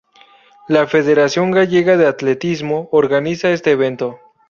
La Federación Gallega de Atletismo organiza este evento.